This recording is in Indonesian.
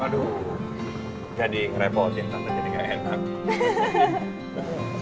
aduh jadi ngerepotin tante jadi gak enak